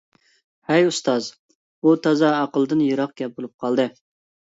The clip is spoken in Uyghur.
ھەي ئۇستاز، بۇ تازا ئەقىلدىن يىراق گەپ بولۇپ قالدى.